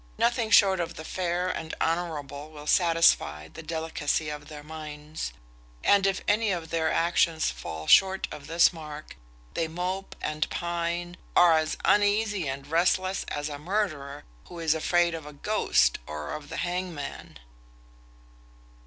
Nothing short of the fair and honourable will satisfy the delicacy of their minds; and if any of their actions fall short of this mark, they mope and pine, are as uneasy and restless as a murderer, who is afraid of a ghost, or of the hangman.